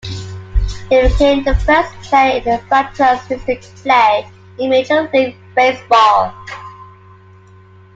He became the first player in franchise history to play in Major League Baseball.